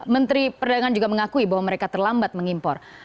menteri perdagangan juga mengakui bahwa mereka terlambat mengimpor